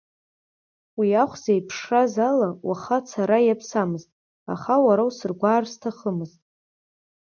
Уи ахә зеиԥшраз ала, уаха ацара иаԥсамызт, аха уара усыргәаар сҭахымызт.